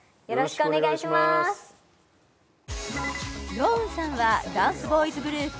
ロウンさんはダンスボーイズグループ